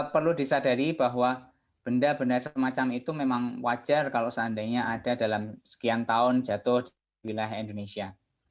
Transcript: perlu disadari bahwa benda benda semacam itu memang wajar kalau seandainya ada dalam sekian tahun jatuh di wilayah indonesia